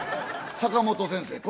坂本先生